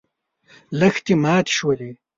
لښتې ماتې شولې.